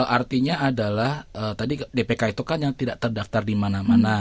artinya adalah tadi dpk itu kan yang tidak terdaftar di mana mana